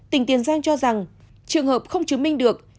tỉnh tiền giang cho rằng trường hợp không chứng minh được